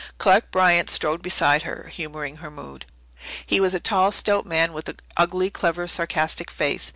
Clark Bryant strode beside her, humouring her mood. He was a tall, stout man, with an ugly, clever, sarcastic face.